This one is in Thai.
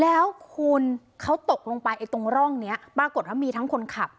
แล้วคุณเขาตกลงไปตรงร่องนี้ปรากฏว่ามีทั้งคนขับ